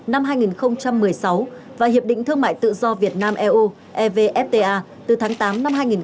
năm hai nghìn một mươi sáu và hiệp định thương mại tự do việt nam eu evfta từ tháng tám năm hai nghìn một mươi bảy